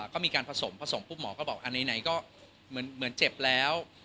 ก็มีการผสมผสมปุ๊บหมอก็บอกอันไหนก็เหมือนเจ็บแล้ว